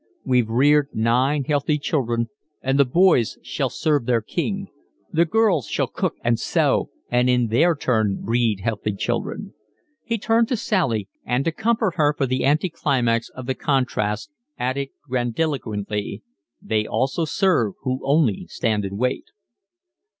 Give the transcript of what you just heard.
We've reared nine healthy children, and the boys shall serve their king; the girls shall cook and sew and in their turn breed healthy children." He turned to Sally, and to comfort her for the anti climax of the contrast added grandiloquently: "They also serve who only stand and wait."